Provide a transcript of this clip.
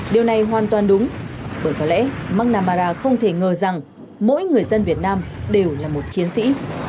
điều này hoàn toàn đúng bởi có lẽ mgnamara không thể ngờ rằng mỗi người dân việt nam đều là một chiến sĩ